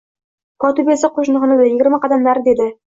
Kotiba esa qo`shni xonada, yigirma qadam narida edi